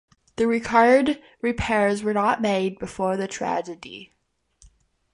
The required repairs were not made before the tragedy.